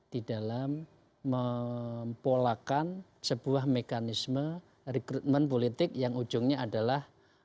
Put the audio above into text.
di dalam mempolakan sebuah mekanisme rekrutmen politik yang ujungnya adalah